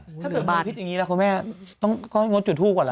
ถ้าเกิดมีพิษอย่างนี้แล้วคุณแม่ก็จุดทูบก่อนล่ะ